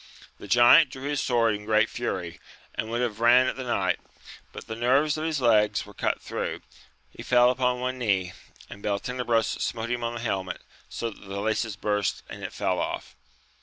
The giant drew his sword in great fury, and would have ran at the knight, but the nerves of his leg were cut through ; he fell upon one knee, and Beltenebros smote him on the helmet, that the laces burst and it fell off.